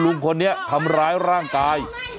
ทางเข้าไปเพราะว่าถ้าเราเข้าไปอ่ะ